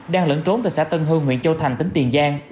đang lẫn trốn tại xã tân hương huyện châu thành tỉnh tiền giang